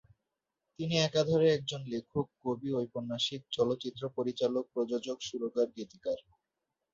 তিনি একাধারে একজন লেখক, কবি, ঔপন্যাসিক, চলচ্চিত্র পরিচালক, প্রযোজক, সুরকার, গীতিকার।